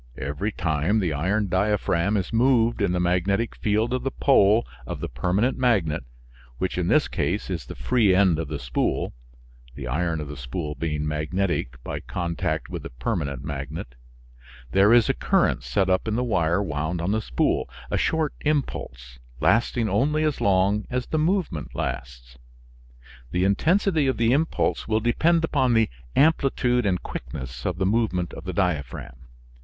Every time the iron diaphragm is moved in the magnetic field of the pole of the permanent magnet, which in this case is the free end of the spool (the iron of the spool being magnetic by contact with the permanent magnet), there is a current set up in the wire wound on the spool; a short impulse, lasting only as long as the movement lasts. The intensity of the impulse will depend upon the amplitude and quickness of the movement of the diaphragm.